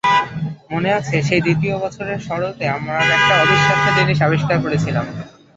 মনে আছে, সেই দ্বিতীয় বছরের শরতে, আমরা একটা অবিশ্বাস্য জিনিস আবিষ্কার করেছিলাম।